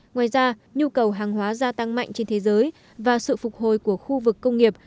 ngoài ra nhu cầu hàng hóa gia tăng mạnh trên thế giới và sự phục hồi của khu vực công nghiệp